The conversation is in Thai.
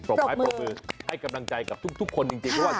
ปรบมือปรบมือให้กำลังใจกับทุกคนจริง